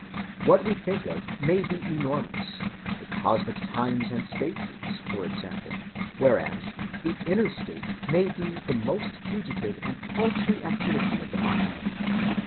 What we think of may be enormous,—the cosmic times and spaces, for example,—whereas the inner state may be the most fugitive and paltry activity of mind.